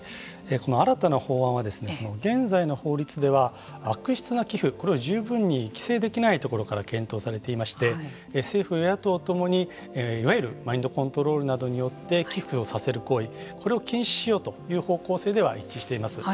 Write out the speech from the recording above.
新たな法案は現在の法律では悪質な寄付これを十分に規制できないところから検討されていまして政府・与野党共にいわゆるマインドコントロールなどによって寄付をさせる行為これを禁止しようという方向性では一致しています。